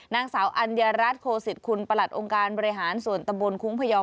นางสาวอัญญารัฐโคสิตคุณประหลัดองค์การบริหารส่วนตำบลคุ้งพยอม